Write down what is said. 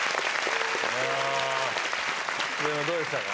植野、どうでしたか？